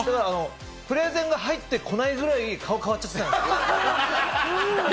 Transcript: プレゼンが入ってこないくらい、顔変わっちゃったんです。